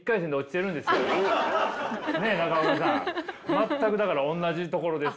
全くだからおんなじところです